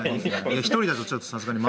１人だとちょっとさすがに。